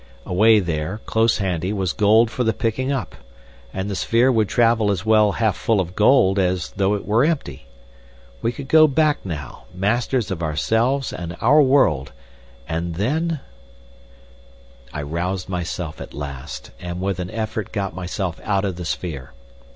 Away there, close handy, was gold for the picking up; and the sphere would travel as well half full of gold as though it were empty. We could go back now, masters of ourselves and our world, and then— I roused myself at last, and with an effort got myself out of the sphere.